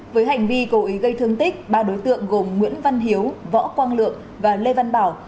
với hành vi cố ý gây thương tích ba đối tượng gồm nguyễn văn hiếu võ quang lượng và lê văn bảo